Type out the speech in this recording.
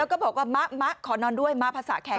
ก็บอกว่ามาขอนอนด้วยมาภาษาแขก